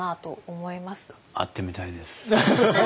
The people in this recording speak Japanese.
会ってみたいです。